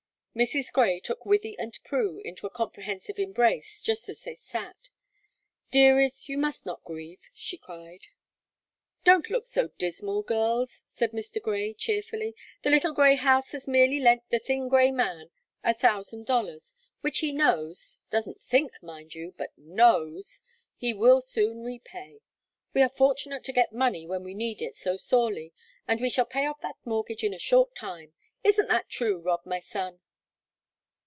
Mrs. Grey took Wythie and Prue into a comprehensive embrace, just as they sat. "Dearies, you must not grieve," she cried. "Don't look so dismal, girls," said Mr. Grey, cheerfully. "The little grey house has merely lent the thin Grey man a thousand dollars, which he knows doesn't think, mind you, but knows he will soon repay. We are fortunate to get money when we need it so sorely, and we shall pay off that mortgage in a short time; isn't that true, Rob, my son?"